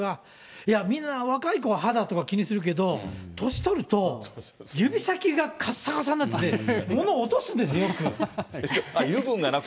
いや、みんな若い子は肌とか気にするけど、年取ると、指先がかっさかさになって、油分がなくて？